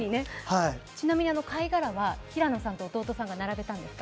ちなみにあの貝殻は平野さんと弟さんが並べたんですか？